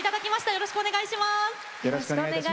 よろしくお願いします。